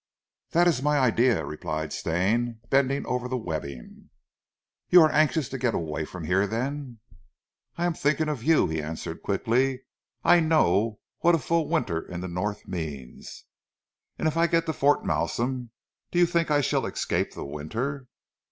"That is my idea," replied Stane, bending over the webbing. "You are anxious to get away from here, then?" "I am thinking of you," he answered quickly. "I know what a full winter in the North means." "And if I get to Fort Malsun, do you think I shall escape the winter?"